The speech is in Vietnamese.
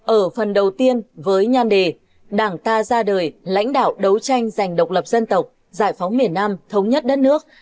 ở phần đầu tiên với nhan đề đảng ta ra đời lãnh đạo đấu tranh giành độc lập dân tộc giải phóng miền nam thống nhất đất nước